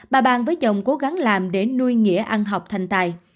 bà bang với chồng cố gắng làm để nuôi nghĩa ăn học thành tài